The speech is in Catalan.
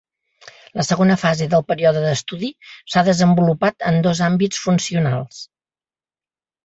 La segona fase del període d’estudi s’ha desenvolupat en dos àmbits funcionals.